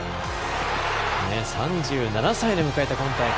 ３７歳で迎えた今大会。